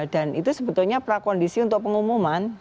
dan itu sebetulnya pula kondisi untuk pengumuman